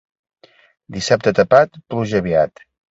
Dissabte tapat, pluja aviat.